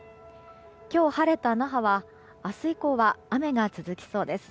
今日晴れた那覇は明日以降は雨が続きそうです。